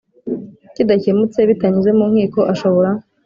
kidakemutse bitanyuze mu nkiko ashobora